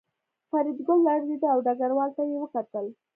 فریدګل لړزېده او ډګروال ته یې وکتل